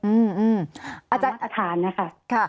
อาจจะใช้อสถานนะคะ